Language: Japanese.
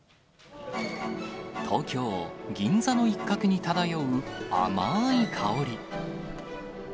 東京・銀座の一角に漂う甘ーい香り。